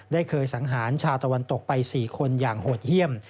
เคยสังหารชาวตะวันตกไป๔คนอย่างโหดเยี่ยม